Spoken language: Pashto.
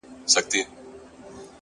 دادی حالاتو سره جنگ کوم لگيا يمه زه _